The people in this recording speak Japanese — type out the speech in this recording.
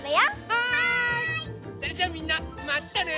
それじゃあみんなまたね！